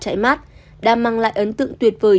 chạy mát đã mang lại ấn tượng tuyệt vời